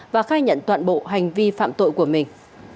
và khai nhận toàn bộ hành vi phạm tội của mình